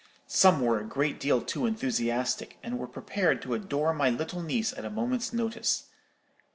Some were a great deal too enthusiastic, and were prepared to adore my little niece at a moment's notice.